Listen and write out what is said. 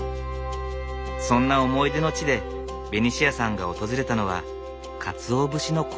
そんな思い出の地でベニシアさんが訪れたのはかつお節の工場。